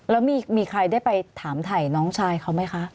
แล้วมีใครได้ไปถามถ่ายน้องชายเขาไหมคะ